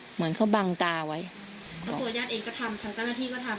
เหมือนเขาบังตาไว้แล้วตัวญาติเองก็ทำทางเจ้าหน้าที่ก็ทำ